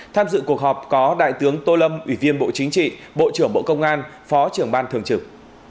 tham dự cuộc họp có đại tướng tô lâm ủy viên bộ chính trị bộ trưởng bộ công an phó trưởng ban thường trực